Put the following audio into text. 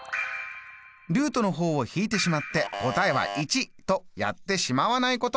ルートの方を引いてしまって答えは１！とやってしまわないこと。